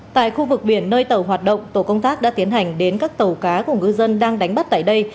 tại khu vực biển nơi tàu hoạt động tổ công tác đã tiến hành đến các tàu cá của ngư dân đang đánh bắt tại đây